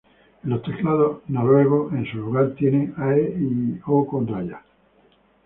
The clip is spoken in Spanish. En los teclados noruegos, en su lugar, tienen Æ y Ø.